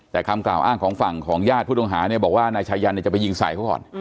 แต่คำกล่าวอ้างของฝั่งของญาติผู้ต้องหาเนี่ยบอกว่านายชายันจะไปยิงใส่เขาก่อน